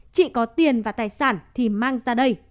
chị có tiền và tài sản thì mang ra đây